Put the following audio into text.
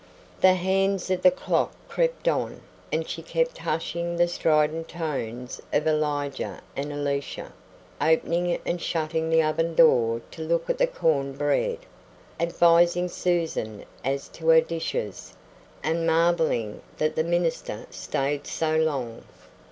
The hands of the clock crept on and she kept hushing the strident tones of Elijah and Elisha, opening and shutting the oven door to look at the corn bread, advising Susan as to her dishes, and marveling that the minister stayed so long.